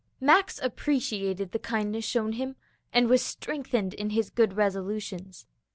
Max appreciated the kindness shown him, and was strengthened in his good resolutions.